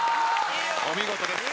お見事です。